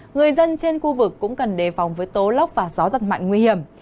người dân trên khu vực cũng cần đề phòng với tố lóc và gió rất mạnh nguy hiểm